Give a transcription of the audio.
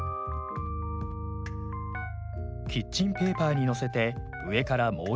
キッチンペーパーにのせて上からもう